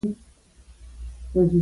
دواړه مشران يوه جوړجاړي ته ورسېدل.